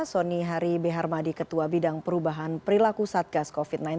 sony hari b harmadi ketua bidang perubahan perilaku satgas covid sembilan belas